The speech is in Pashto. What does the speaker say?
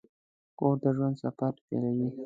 کور د ژوند سفر پیلوي.